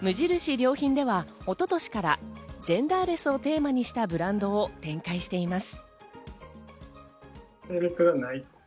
良品では一昨年からジェンダーレスをテーマにしたブランドを展開しています。